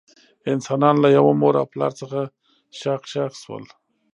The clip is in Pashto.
انسانان له یوه مور او پلار څخه شاخ شاخ شول.